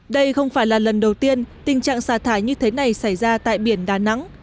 đây không phải là lần đầu tiên tình trạng xả thải như thế này xảy ra tại biển đà nẵng